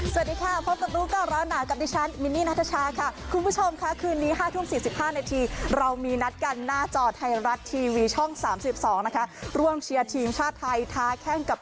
สวัสดีค่ะพบกับรู้ก่อนร้อนหนาวกับดิฉันมินนี่นัทชาค่ะคุณผู้ชมค่ะคืนนี้๕ทุ่ม๔๕นาทีเรามีนัดกันหน้าจอไทยรัฐทีวีช่อง๓๒นะคะร่วมเชียร์ทีมชาติไทยท้าแข้งกับ